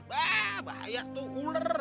wah bahaya tuh ular